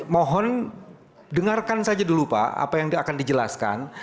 mohon dengarkan saja dulu pak apa yang akan dijelaskan